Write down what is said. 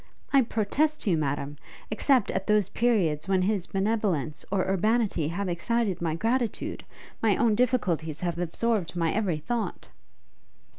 I protest to you, Madam, except at those periods when his benevolence or urbanity have excited my gratitude, my own difficulties have absorbed my every thought!'